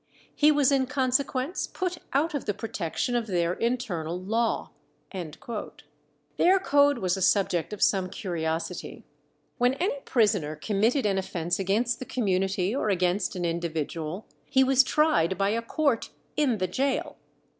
He was in consequence put out of the protection of their internal law." Their code was a subject of some curiosity. When any prisoner committed an offence against the community or against an individual, he was tried by a court in the gaol.